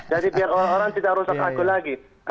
jadi biar orang orang tidak rusak aku lagi